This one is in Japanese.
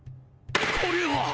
これは！